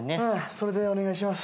それでお願いします。